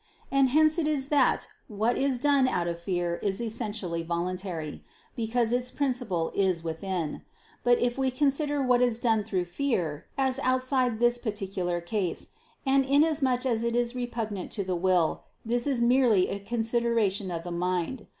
And hence it is that what is done out of fear is essentially voluntary, because its principle is within. But if we consider what is done through fear, as outside this particular case, and inasmuch as it is repugnant to the will, this is merely a consideration of the mind.